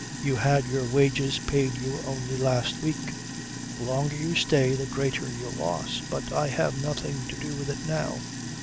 You had your wages paid you only last week. The longer you stay the greater your loss. But I have nothing to do with it now.